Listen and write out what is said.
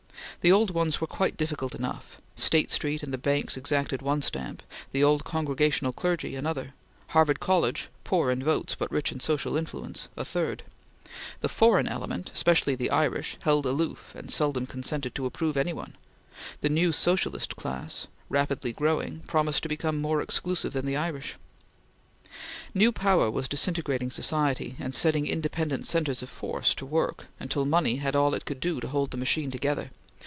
The old ones were quite difficult enough State Street and the banks exacted one stamp; the old Congregational clergy another; Harvard College, poor in votes, but rich in social influence, a third; the foreign element, especially the Irish, held aloof, and seldom consented to approve any one; the new socialist class, rapidly growing, promised to become more exclusive than the Irish. New power was disintegrating society, and setting independent centres of force to work, until money had all it could do to hold the machine together.